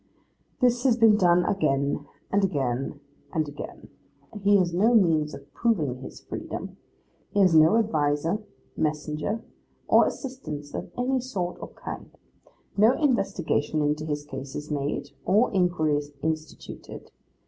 This has been done again, and again, and again. He has no means of proving his freedom; has no adviser, messenger, or assistance of any sort or kind; no investigation into his case is made, or inquiry instituted.